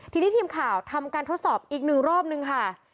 ทีนี้ทีมข่าวทำการทดสอบอีกหนึ่งรอบนึงค่ะ